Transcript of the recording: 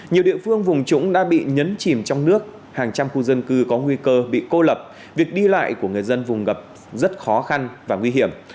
nhiều địa phương vùng trũng đã bị nhấn chìm trong nước hàng trăm khu dân cư có nguy cơ bị cô lập việc đi lại của người dân vùng ngập rất khó khăn và nguy hiểm